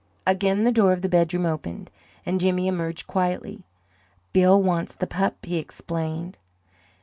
Again the door of the bedroom opened, and Jimmy emerged quietly. "Bill wants the pup," he explained.